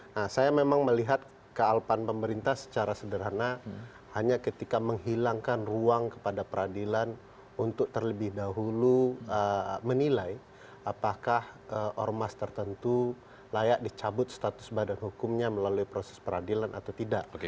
nah saya memang melihat kealpan pemerintah secara sederhana hanya ketika menghilangkan ruang kepada peradilan untuk terlebih dahulu menilai apakah ormas tertentu layak dicabut status badan hukumnya melalui proses peradilan atau tidak